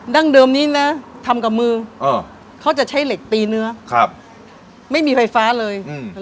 ั้งเดิมนี้นะทำกับมือเขาจะใช้เหล็กตีเนื้อครับไม่มีไฟฟ้าเลยอืม